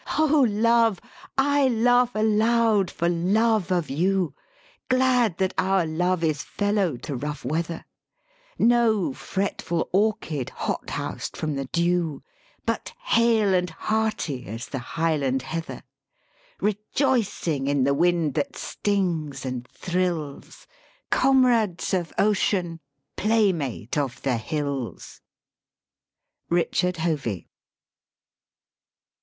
Ho, love, I laugh aloud for love of you, Glad that our love is fellow to rough weather, No fretful orchid hot housed from the dew, But hale and hardy as the highland heather, Rejoicing in the wind that stings and thrills, Comrades of ocean, playmate of the hills." RICHARD HOVEY.